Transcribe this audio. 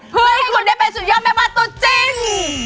เพื่อให้คุณได้เป็นสุดยอดแม่บ้านตัวจริง